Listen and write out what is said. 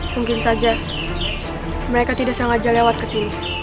mungkin saja mereka tidak sanggah jauh lewat ke sini